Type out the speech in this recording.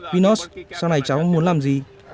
vinod sau này cháu muốn làm gì